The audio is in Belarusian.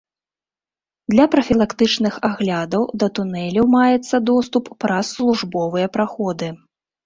Для прафілактычных аглядаў да тунэляў маецца доступ праз службовыя праходы.